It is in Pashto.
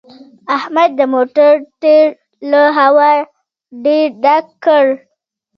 احمد د موټر ټایر له هوا ډېر ډک کړ